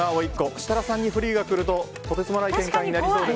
設楽さんにフリーが来るととてつもない展開になりそうです。